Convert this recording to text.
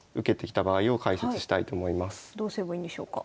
どうすればいいんでしょうか。